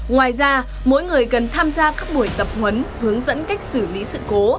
ngoài ra mỗi người cần tham gia các buổi tập huấn hướng dẫn cách xử lý sự cố